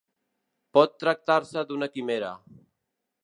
Pot tractar-se d'una quimera.